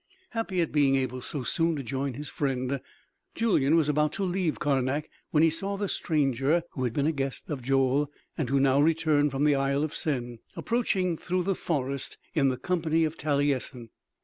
Happy at being able so soon to join his friend, Julyan was about to leave Karnak, when he saw the stranger, who had been the guest of Joel and who now returned from the Isle of Sen, approaching through the forest in the company of Talyessin.